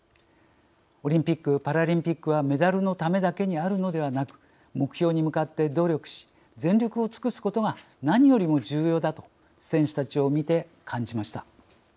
オリンピック・パラリンピックはメダルのためだけにあるのではなく目標に向かって努力し全力を尽くすことが何よりも重要だと選手たちを見て感じました。